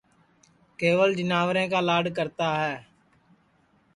کیول جیناورے کا لاڈؔ کرتا ہے